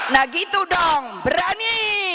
nah gitu dong berani